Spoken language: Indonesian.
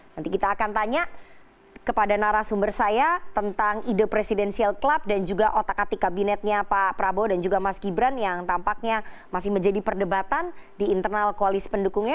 nanti kita akan tanya kepada narasumber saya tentang ide presidential club dan juga otak atik kabinetnya pak prabowo dan juga mas gibran yang tampaknya masih menjadi perdebatan di internal koalisi pendukungnya